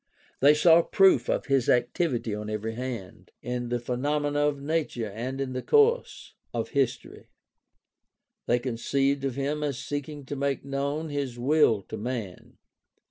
They saw proof of his activity on every hand, in the phe nomena of nature and in the course of hist(h"y. They con ceived of him as seeking to make known his will to man.